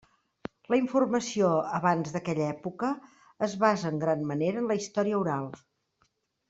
La informació abans d'aquella època es basa en gran manera en la història oral.